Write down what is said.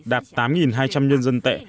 đạt tám hai trăm linh nhân dân tệ